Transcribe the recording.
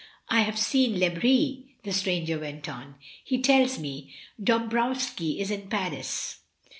I have seen Lebris," the stranger went on. "He tells me Dombrowski is in Paris.